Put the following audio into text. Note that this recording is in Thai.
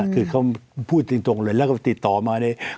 คือพูดตรงและเขาติดต่อมาเนี่ย